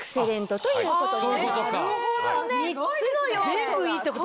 全部いいってことだ。